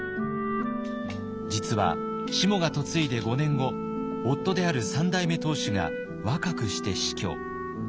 実はしもが嫁いで５年後夫である三代目当主が若くして死去。